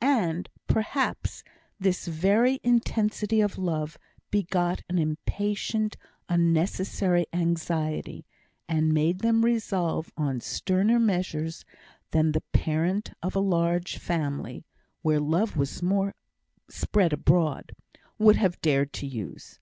And, perhaps, this very intensity of love begot an impatient, unnecessary anxiety, and made them resolve on sterner measures than the parent of a large family (where love was more spread abroad) would have dared to use.